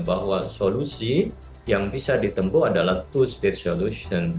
bahwa solusi yang bisa ditempuh adalah two state solution